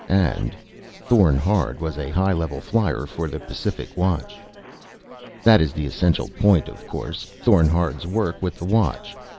And ... Thorn Hard was a high level flier for the Pacific Watch. That is the essential point, of course Thorn Hard's work with the Watch.